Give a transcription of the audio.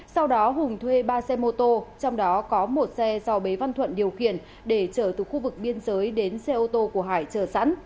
sau đó hùng thuê ba xe mô tô trong đó có một xe do bế văn thuận điều khiển để chở từ khu vực biên giới đến xe ô tô của hải chờ sẵn